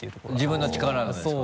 自分の力がですか？